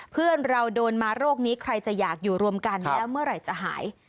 เพื่อนเราโดนมาโรคนี้ใครจะอยากอยู่รวมกันแล้วเมื่อไหร่จะหาย